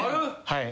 はい。